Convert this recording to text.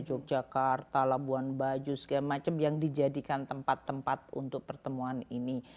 yogyakarta labuan bajo segala macam yang dijadikan tempat tempat untuk pertemuan ini